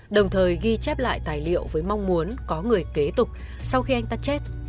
đồng thời ghi chép lại tài liệu với mong muốn có người kế tục sau khi anh ta chết